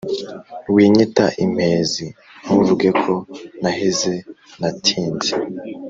winyita impezi: ntuvuge ko naheze, natinze